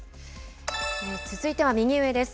続いては、右上です。